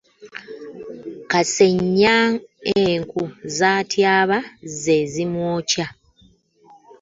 Kasennya enku z’atyaba ze zimwokya.